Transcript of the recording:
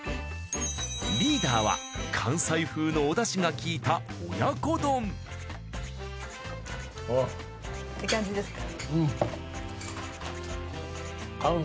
リーダーは関西風のおだしが効いたああ。